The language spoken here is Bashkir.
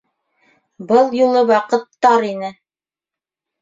Был юлы ваҡыт тар ине.